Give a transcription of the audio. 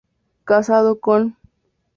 Casado con.